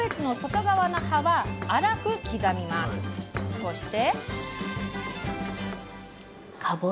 そして。